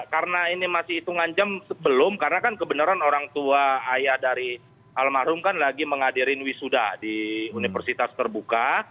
karena ini masih hitungan jam sebelum karena kan kebenaran orang tua ayah dari almarhum kan lagi menghadirin wisuda di universitas terbuka